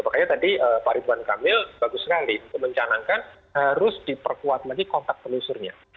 makanya tadi pak ridwan kamil bagus sekali untuk mencanangkan harus diperkuat lagi kontak penelusurnya